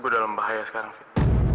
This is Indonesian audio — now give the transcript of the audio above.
gue dalam bahaya sekarang fit